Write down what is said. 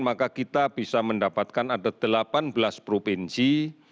maka kita bisa mendapatkan ada delapan belas provinsi